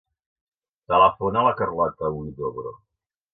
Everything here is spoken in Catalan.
Telefona a la Carlota Huidobro.